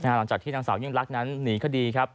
หลังจากที่นางสาวยิ่งรักนั้นหนีคดีครับ